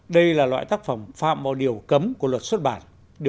đây là loại tác phẩm phạm vào điều cấm của luật xuất bản